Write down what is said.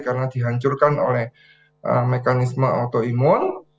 karena dihancurkan oleh mekanisme autoimun